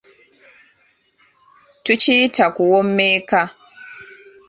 Tukiyita kuwommeka.